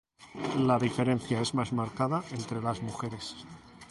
La diferencia es más marcada entre las mujeres.